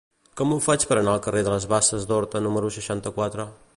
Com ho faig per anar al carrer de les Basses d'Horta número seixanta-quatre?